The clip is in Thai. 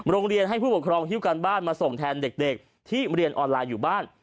โรงเรียนให้ผู้ปกครองฮิ้วการบ้านมาส่งแทนเด็กที่เรียนออนไลน์อยู่บ้าน